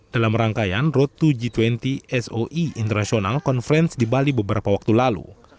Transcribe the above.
dalam rangkaian road to g dua puluh soe international conference di bali beberapa waktu lalu